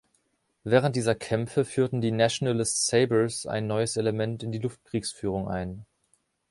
Während dieser Kämpfe führten die „Nationalist Sabres“ ein neues Element in die Luftkriegsführung ein.